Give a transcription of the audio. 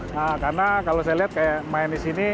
nah karena kalau saya lihat kayak main di sini